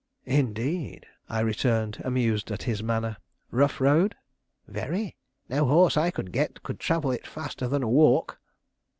"Indeed!" I returned, amused at his manner. "Rough road?" "Very; no horse I could get could travel it faster than a walk."